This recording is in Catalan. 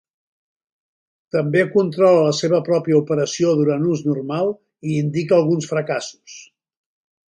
També controla la seva pròpia operació durant ús normal i indica alguns fracassos.